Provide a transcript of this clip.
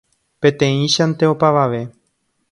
Peteĩchante opavave.